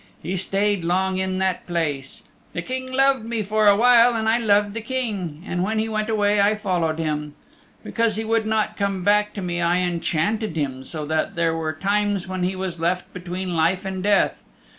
He stayed long in that place. The King loved me for a while and I loved the King, and when he went away I followed him. "Because he would not come back to me I enchanted him so that there were times when he was left between life and death.